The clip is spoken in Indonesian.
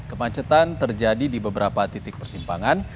kemacetan terjadi di beberapa titik persimpangan